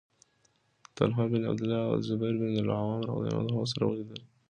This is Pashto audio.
طلحة بن عبد الله او الزبير بن العوام رضي الله عنهما سره ولیدل